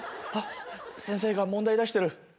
先生が問題出してる。